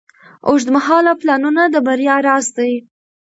اوږدمهاله پلانونه د بریا راز دی.